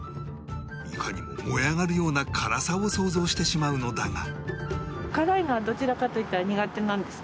いかにも燃え上がるような辛さを想像してしまうのだが